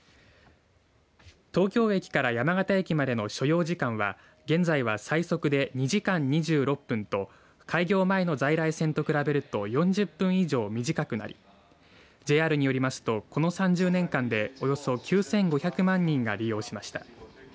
東京駅から山形駅までの所要時間は現在は最速で２時間２６分と開業前の在来線と比べると４０分以上短くなりＪＲによりますとこの３０年間でおよそ９５００万人が利用しました。